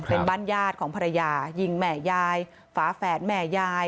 เป็นบ้านญาติของภรรยายิงแม่ยายฝาแฝดแม่ยาย